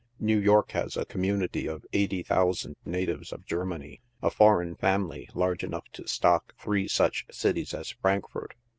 New York has a community of eighty thousand natives of Ger many. A foreign family large enough to stock three such cities as Frankfort.